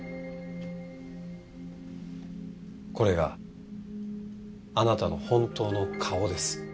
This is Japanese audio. これがあなたの本当の顔です。